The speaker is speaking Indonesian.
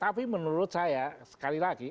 tapi menurut saya sekali lagi